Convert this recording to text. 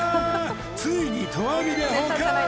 ついに投網で捕獲！